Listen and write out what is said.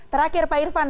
terakhir pak irvan